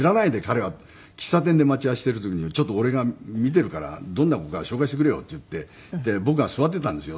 喫茶店で待ち合わせしてる時にちょっと俺が見てるからどんな子か紹介してくれよっていって僕が座ってたんですよ。